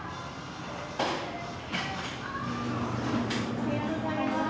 おはようございます。